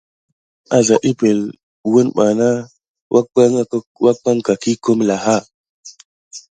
Misem zim abà wəlaŋga nat epəŋle wune ɓana sikué migrana kubà.